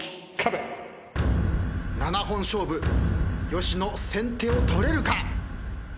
７本勝負吉野先手を取れるか？